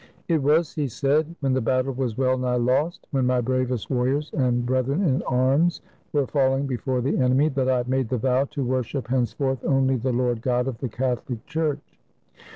"It was," he said, "when the battle was well nigh lost; when my bravest warriors and brethren in arms were falling before the enemy, that I made the vow to worship henceforth only the Lord God of the Catholic Church.